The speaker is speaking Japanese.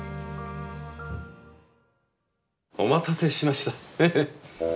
お待たせしました。